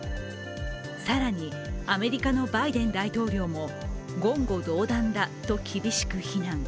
更に、アメリカのバイデン大統領も言語道断だと厳しく非難。